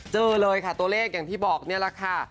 เจอเลยค่ะตัวเลขอย่างที่บอกนี่แหละค่ะ